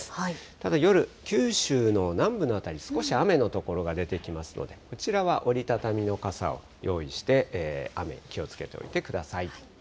ただ夜、九州の南部の辺り、少し雨の所が出てきますので、こちらは折り畳みの傘を用意して雨、気をつけておいてください。